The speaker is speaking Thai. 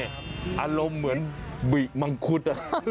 อารมณ์เหมือนบิมังคุด